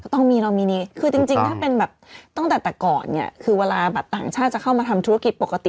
ตั้งแต่ตอนเวลามันต่างชาติจะเข้ามาทำธุรกิจปกติ